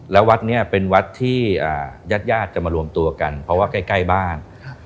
แล้ววัดนี้เป็นวัดที่ญาติญาติจะมารวมตัวกันเพราะว่าใกล้บ้าน